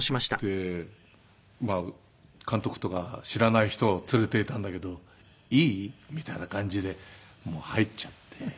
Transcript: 監督とか知らない人を連れていたんだけど「いい？」みたいな感じで入っちゃって。